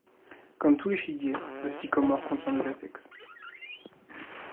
Comme tous les figuiers, le sycomore contient du latex.